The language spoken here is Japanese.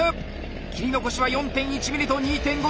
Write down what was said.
切り残しは４．１ｍｍと２．５ｍｍ。